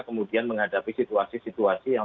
kemudian menghadapi situasi situasi yang